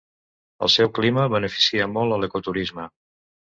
El seu clima beneficia molt a l'ecoturisme.